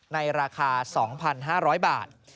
ในราคา๒๕๐๐บาท